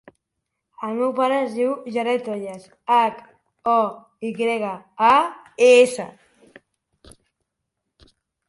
El meu pare es diu Jared Hoyas: hac, o, i grega, a, essa.